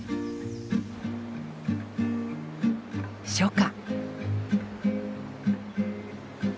初夏。